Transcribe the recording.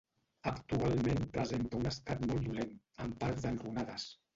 Actualment presenta un estat molt dolent, amb parts enrunades.